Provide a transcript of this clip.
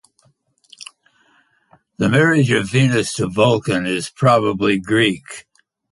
The marriage of Venus to Vulcan is probably Greek.